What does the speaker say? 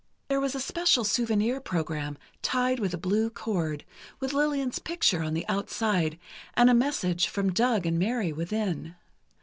There was a special souvenir program, tied with a blue cord, with Lillian's picture on the outside and a message from Doug and Mary within.